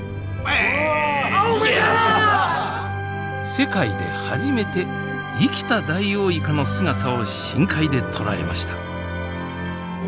世界で初めて生きたダイオウイカの姿を深海で捉えました。